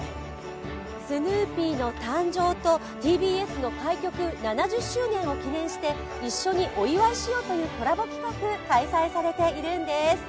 スヌーピーの誕生とＴＢＳの開局７０周年を一緒にお祝いしようというコラボ企画、開催されているんです。